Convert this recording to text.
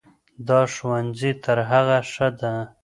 دا ښوونځی تر هغه ښه ده.